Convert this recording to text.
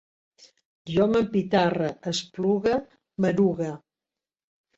Jo m'empitarre, esplugue, m'erugue